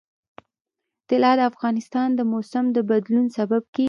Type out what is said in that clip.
طلا د افغانستان د موسم د بدلون سبب کېږي.